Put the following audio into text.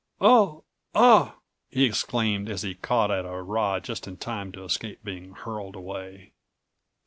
"Oh—ah!" he exclaimed as he caught at a rod just in time to escape being hurled away.